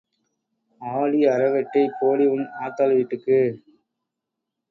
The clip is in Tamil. ஆடி அறவெட்டை, போடி உன் ஆத்தாள் வீட்டுக்கு.